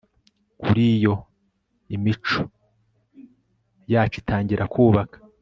kuriyo imico yacu itangira kubaka